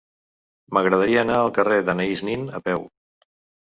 M'agradaria anar al carrer d'Anaïs Nin a peu.